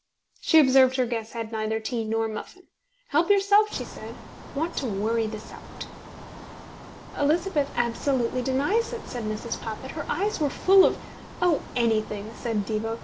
She observed her guest had neither tea nor muffin. "Help yourself," she said. "Want to worry this out." "Elizabeth absolutely denies it," said Mrs. Poppit. "Her eyes were full of " "Oh, anything," said Diva.